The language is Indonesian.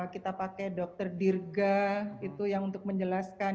kita pakai dr dirga itu yang untuk menjelaskan